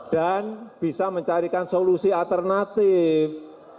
dan bisa mencarikan solusi alternatif